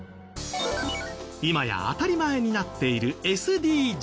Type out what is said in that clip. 今や当たり前になっているＳＤＧｓ。